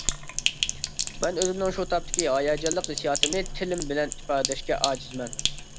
مەن ئۆزۈمنىڭ شۇ تاپتىكى ھاياجانلىق ھېسسىياتىمنى تىلىم بىلەن ئىپادىلەشكە ئاجىزمەن.